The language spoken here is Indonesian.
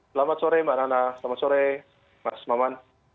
selamat sore mbak nana selamat sore mas maman